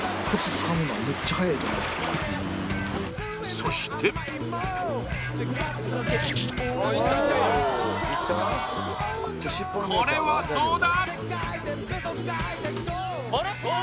そしてこれはどうだ？